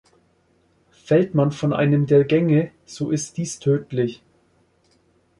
Fällt man von einem der Gänge, so ist dies tödlich.